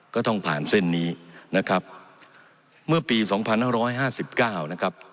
ก็ต้องผ่านเส้นนี้นะครับเมื่อปีสองพันห้าร้อยห้าสิบเก้านะครับ